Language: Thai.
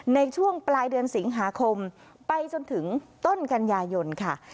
ในช่วงปลายเดือนสิงหาคมไปจนถึงต้นกันยายนค่ะ